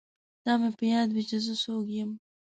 دا مې په یاد وي چې زه څوک یم